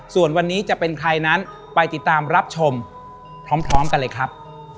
ส่วนวันนี้จะเป็นใครนั้นไปติดตามรับชมพร้อมกันเลยครับ